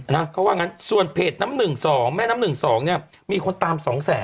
เพราะว่างั้นส่วนเพจน้ำหนึ่ง๒แม่น้ำหนึ่ง๒มีคนตาม๒๐๐๐๐๐